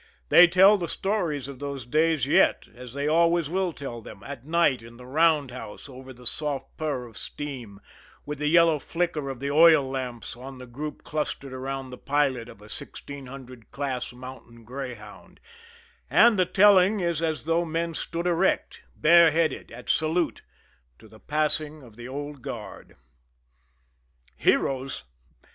They tell the stories of those days yet, as they always will tell them at night in the round house over the soft pur of steam, with the yellow flicker of the oil lamps on the group clustered around the pilot of a 1600 class mountain greyhound and the telling is as though men stood erect, bareheaded, at "salute" to the passing of the Old Guard. Heroes?